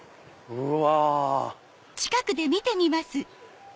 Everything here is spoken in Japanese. うわ！